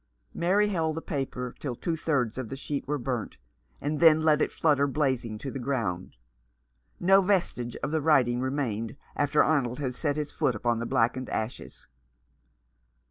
Mary held the paper till two thirds of the sheet were burnt, and then let it flutter blazing to the ground. No vestige of the writing remained after Arnold had set his foot upon the blackened ashes.